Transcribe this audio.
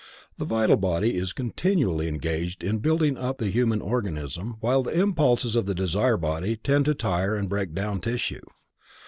The vital body is continually engaged in building up the human organism, while the impulses of the desire body tend to tire and to break down tissue.